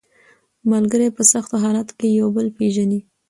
ملګري په سختو حالاتو کې یو بل پېژني